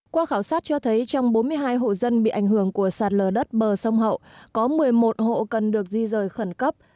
qua khảo sát cho thấy trong bốn mươi hai hộ dân bị ảnh hưởng của sạt lở đất bờ sông hậu có một mươi một hộ cần được di rời khẩn cấp